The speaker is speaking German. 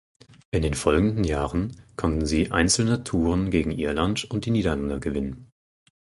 In den folgenden Jahren konnten sie einzelne Touren gegen Irland und die Niederlande gewinnen.